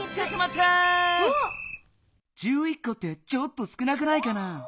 こってちょっと少なくないかな？